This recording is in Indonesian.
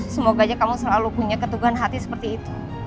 semoga aja kamu selalu punya ketuhan hati seperti itu